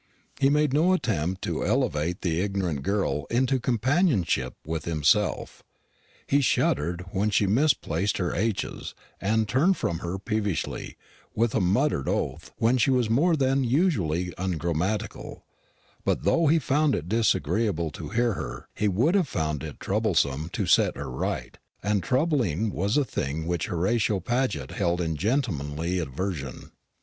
He made no attempt to elevate the ignorant girl into companionship with himself. He shuddered when she misplaced her h's and turned from her peevishly, with a muttered oath, when she was more than usually ungrammatical: but though he found it disagreeable to hear her, he would have found it troublesome to set her right; and trouble was a thing which Horatio Paget held in gentlemanly aversion.